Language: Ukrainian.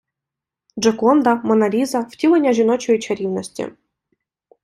Джоконда, Монна Ліза - втілення жіночої чарівності